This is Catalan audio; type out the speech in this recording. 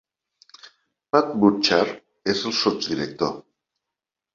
Pat Burchat és el sotsdirector.